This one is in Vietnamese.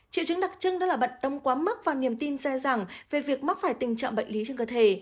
triệu chứng đặc trưng đó là bận tâm quá mức và niềm tin sai rằng về việc mắc phải tình trạng bệnh lý trên cơ thể